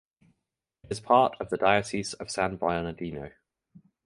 It is part of the Diocese of San Bernardino.